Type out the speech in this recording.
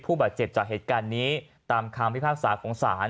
บาดเจ็บจากเหตุการณ์นี้ตามคำพิพากษาของศาล